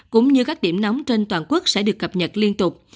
cũng như các điểm nóng trên toàn quốc sẽ được cập nhật liên tục